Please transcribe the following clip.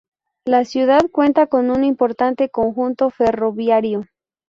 La ciudad cuenta con un importante conjunto ferroviario.